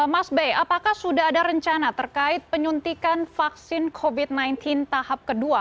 mas bey apakah sudah ada rencana terkait penyuntikan vaksin covid sembilan belas tahap kedua